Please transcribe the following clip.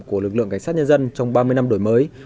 của lực lượng cảnh sát nhân dân trong ba mươi năm đổi mới